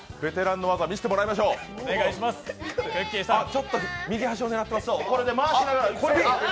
ちょっと右端を狙ってます。